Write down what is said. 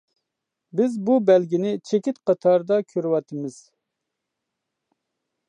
بىز بۇ بەلگىنى چېكىت قاتارىدا كۆرۈۋاتىمىز.